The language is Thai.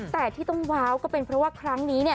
แต่ที่ต้องว้าวก็เป็นเพราะว่าครั้งนี้เนี่ย